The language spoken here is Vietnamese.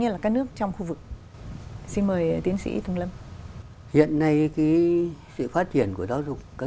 như là các nước trong khu vực xin mời tiến sĩ thùng lâm hiện nay sự phát triển của giáo dục các